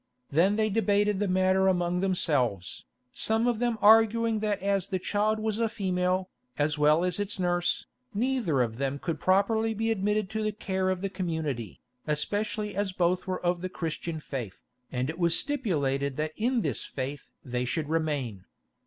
Then they debated the matter among themselves, some of them arguing that as the child was a female, as well as its nurse, neither of them could properly be admitted to the care of the community, especially as both were of the Christian faith, and it was stipulated that in this faith they should remain.